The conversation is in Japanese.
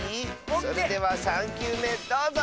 それでは３きゅうめどうぞ！